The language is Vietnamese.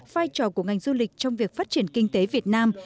vai trò của ngành du lịch trong việc phát triển kinh tế việt nam